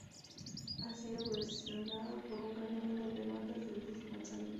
Ha sido versionada por un gran número de bandas desde su lanzamiento.